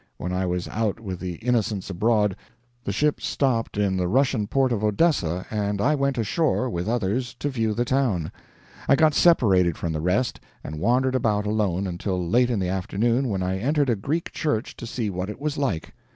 When I was out with the Innocents Abroad, the ship stopped in the Russian port of Odessa and I went ashore, with others, to view the town. I got separated from the rest, and wandered about alone, until late in the afternoon, when I entered a Greek church to see what it was like.